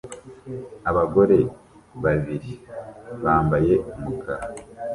Abagore babiri bambaye umukara